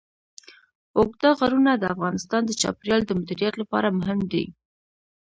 اوږده غرونه د افغانستان د چاپیریال د مدیریت لپاره مهم دي.